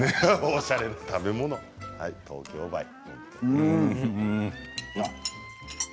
おしゃれな食べ物東京ばい。